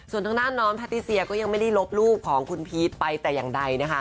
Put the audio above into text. ส่วนทางด้านน้องแพทติเซียก็ยังไม่ได้ลบรูปของคุณพีชไปแต่อย่างใดนะคะ